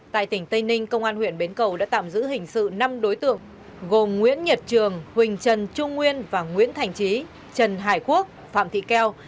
tại tỉnh tây ninh công an huyện bến cầu đã tạm giữ hình sự năm đối tượng gồm nguyễn nhật trường huỳnh trần trung nguyên và nguyễn thành trí trần hải quốc phạm thị keo